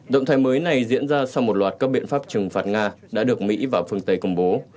động thái mới này diễn ra sau một loạt các biện pháp trừng phạt nga đã được mỹ và phương tây công bố